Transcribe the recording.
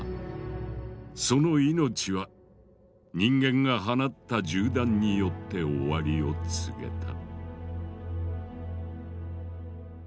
その命は人間が放った銃弾によって終わりを告げた。